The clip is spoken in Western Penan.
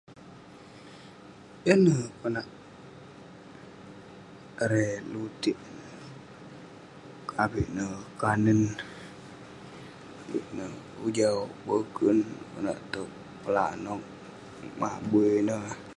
Yah neh konak...erei..lutik ineh, avik neh...kanen, avik neh..ujau boken konak towk pelanok, mabui ineh..